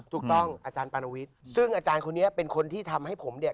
อาจารย์ปานวิทย์ซึ่งอาจารย์คนนี้เป็นคนที่ทำให้ผมเนี่ย